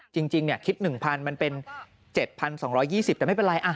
จริงคิด๑๐๐มันเป็น๗๒๒๐แต่ไม่เป็นไร